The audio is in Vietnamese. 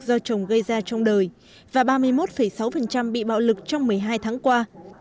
do chồng gây ra trong đời và ba mươi một sáu bị bạo lực trong một mươi hai tháng qua